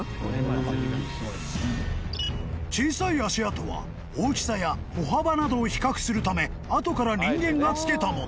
［小さい足跡は大きさや歩幅などを比較するため後から人間がつけたもの］